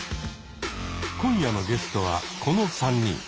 今夜のゲストはこの３人。